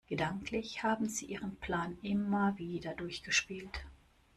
Gedanklich haben sie ihren Plan immer wieder durchgespielt.